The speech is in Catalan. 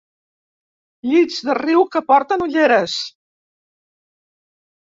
Llits de riu que porten ulleres.